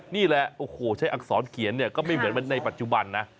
นี่แหละใช้อักษรเขียนก็ไม่เหมือนในปัจจุบันนะ